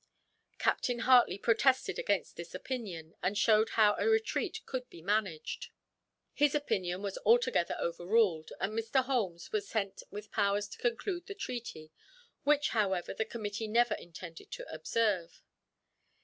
Captain Hartley protested against this opinion, and showed how a retreat could be managed. His opinion was altogether overruled, and Mr. Holmes was sent with powers to conclude the treaty which, however, the committee never intended to observe.